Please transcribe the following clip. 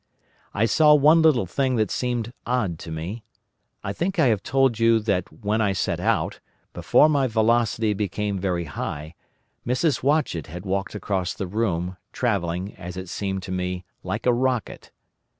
"I saw one little thing that seemed odd to me. I think I have told you that when I set out, before my velocity became very high, Mrs. Watchett had walked across the room, travelling, as it seemed to me, like a rocket.